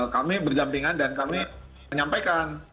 kami berdampingan dan kami menyampaikan